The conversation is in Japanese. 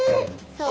そう。